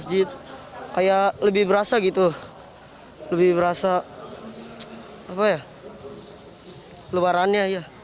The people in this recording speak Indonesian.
masjid kayak lebih berasa gitu lebih berasa apa ya lebarannya ya